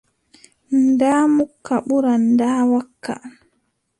Ndaa mukka ɓuran ndaa wakka.